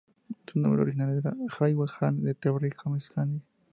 Su nombre original era "Hovhannes Ter-Hovhannisian.